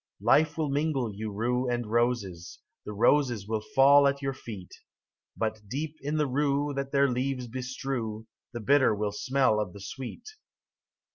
Life will mingle you rue and roses ; The roses will fall at your feet : But deep in the rue That their leaves bestrew The bitter will smell of the sweet.